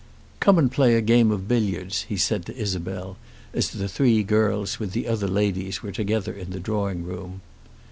"Come and play a game of billiards," he said to Isabel, as the three girls with the other ladies were together in the drawing room.